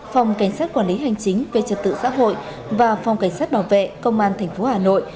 phòng cảnh sát quản lý hành chính về trật tự xã hội và phòng cảnh sát bảo vệ công an tp hà nội